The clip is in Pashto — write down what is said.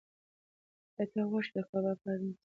ایا ته غواړې چې د کباب په اړه نورې کیسې واورې؟